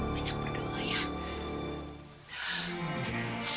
banyak berdoa ayah